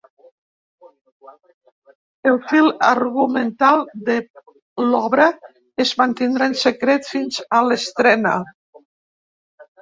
El fil argumental de l’obra es mantindrà en secret fins a l’estrena.